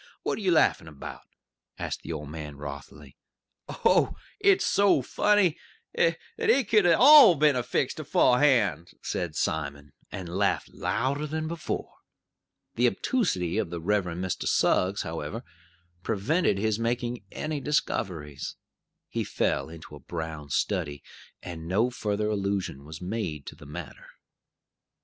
What are ye laughin' about?" asked the old man wrothily. "Oh, it's so funny that it could all 'a' been fixed aforehand!" said Simon, and laughed louder than before. The obtusity of the Reverend Mr. Suggs, however, prevented his making any discoveries. He fell into a brown study, and no further allusion was made to the matter.